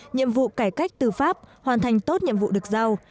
nhiệm vụ cải cách tư pháp hoàn thành tốt nhiệm vụ được giao